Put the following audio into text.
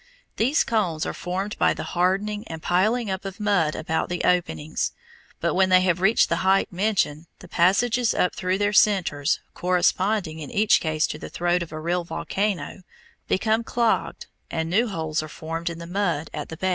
These cones are formed by the hardening and piling up of mud about the openings; but when they have reached the height mentioned, the passages up through their centres, corresponding in each case to the throat of a real volcano, become clogged and new holes are formed in the mud at the base.